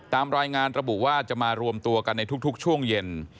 ตามรายงานระบุว่าจะมารวมตัวกันในทุกช่วงเย็น